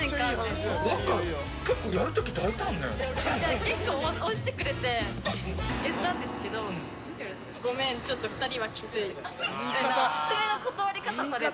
結構押してくれて言ったんですけどごめん、ちょっと２人はきついって。